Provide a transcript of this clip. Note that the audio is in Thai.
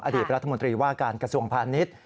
อดีตรัฐบุรรณาตรีว่าการกระทรวงพลาดนิจ